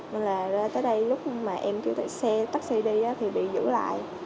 nên là đến đây lúc mà em kêu topfi taxi đi thì bị giữ lại